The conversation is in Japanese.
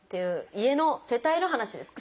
家の世帯の話ですか？